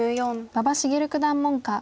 馬場滋九段門下。